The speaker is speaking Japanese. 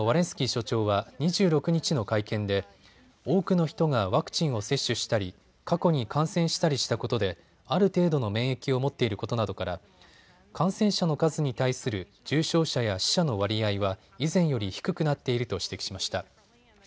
スキー所長は２６日の会見で多くの人がワクチンを接種したり過去に感染したりしたことである程度の免疫を持っていることなどから感染者の数に対する重症者や死者の割合は以前より低くなっていると指摘しました。